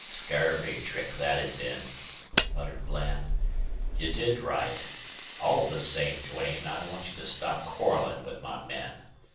"Scurvy trick that 'd been," muttered Bland. "You did right. All the same, Duane, I want you to stop quarreling with my men.